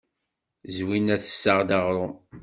Zwina tessaɣ-d aɣrum.